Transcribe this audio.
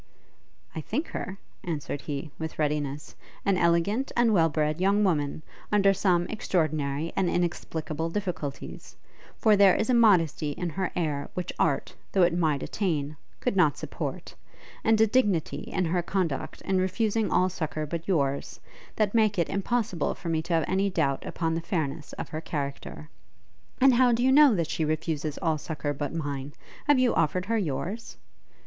'I think her,' answered he, with readiness, 'an elegant and well bred young woman, under some extraordinary and inexplicable difficulties: for there is a modesty in her air which art, though it might attain, could not support; and a dignity in her conduct in refusing all succour but yours, that make it impossible for me to have any doubt upon the fairness of her character.' 'And how do you know that she refuses all succour but mine? Have you offered her yours?'